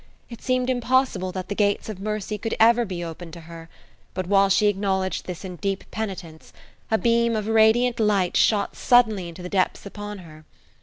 It seemed impossible that the gates of mercy could ever be opened to her; but while she acknowledged this in deep penitence, a beam of radiant light shot suddenly into the depths upon her.